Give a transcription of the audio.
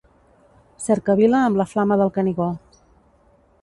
Cercavila amb la Flama del Canigó.